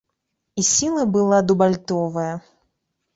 І сіла была дубальтовая.